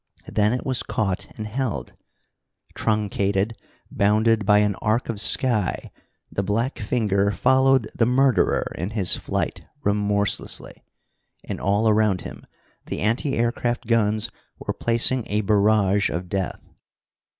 Then it was caught and held. Truncated, bounded by an arc of sky, the black finger followed the murderer in his flight remorselessly. And all around him the anti aircraft guns were placing a barrage of death.